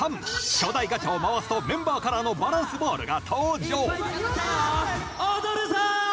巨大ガチャを回すとメンバーカラーのバランスボールが登場踊るぞ！